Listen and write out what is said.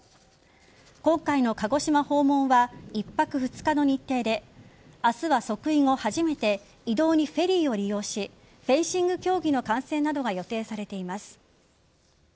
今回の鹿児島訪問は１泊２日の日程で明日は即位後初めて移動にフェリーを利用しフェンシング競技の観戦などが予定されています。